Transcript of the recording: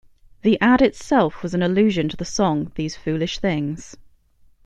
The ad itself was an allusion to the song, "These Foolish Things".